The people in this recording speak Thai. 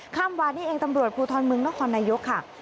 เมื่อวานนี้เองตำรวจภูทรเมืองนครนายกค่ะ